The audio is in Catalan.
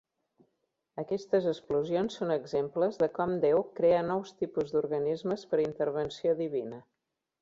Aquestes explosions són exemples de com Déu crea nous tipus d'organismes per intervenció divina.